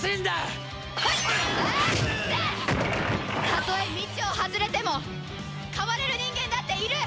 たとえ道を外れても変われる人間だっている！